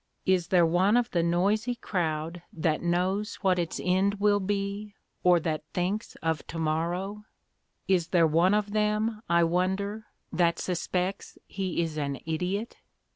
Is there one of the noisy crowd that knows what its end will be or that thinks of to morrow? Is there one of them, I wonder, that suspects he is an idiot?